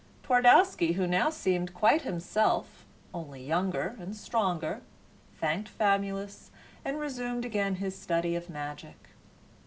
Twardowski, who now seemed quite himself, only younger, and stronger, thanked Famulus and resumed again his study of magic.